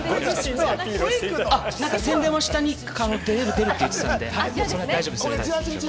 宣伝は下に出るって言ってたんで、それは大丈夫です。